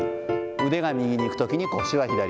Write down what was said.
腕が右にいくとき腰は左。